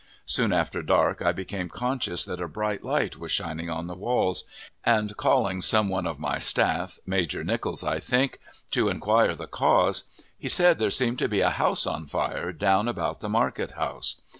Soon after dark I became conscious that a bright light was shining on the walls; and, calling some one of my staff (Major Nichols, I think) to inquire the cause, he said there seemed to be a house on fire down about the market house.